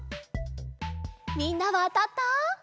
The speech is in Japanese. みんなはあたった？